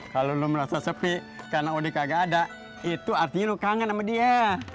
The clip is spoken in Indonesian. kalau lo merasa sepi karena odk gak ada itu artinya lo kangen sama dia